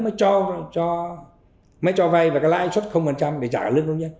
nó cho mới cho vay và cái lại xuất để trả lấy công nhân